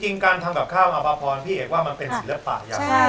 จริงการทำกับข้าวอาพาพรพี่เอกว่ามันเป็นศิลปะยังไง